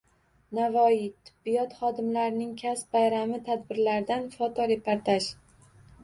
Navoiy: tibbiyot xodimlarining kasb bayrami tadbirlaridan fotoreportaj